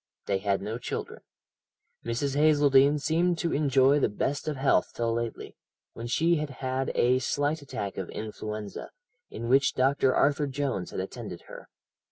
They had no children. Mrs. Hazeldene seemed to enjoy the best of health till lately, when she had had a slight attack of influenza, in which Dr. Arthur Jones had attended her.